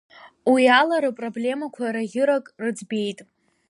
Уи ала рпроблемақәа раӷьырак рыӡбеит…